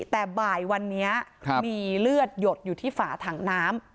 แต่บ่ายวันนี้มีเลือดหยดอยู่ที่ฝาถังน้ำ